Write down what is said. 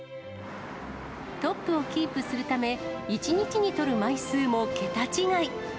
トップをキープするため、１日に撮る枚数も桁違い。